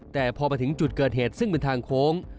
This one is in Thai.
แต่พอมาถึงจุดเกิดเหตุซึ่งเป็นทางโค้ง